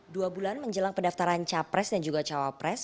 dua bulan menjelang pendaftaran capres dan juga cawapres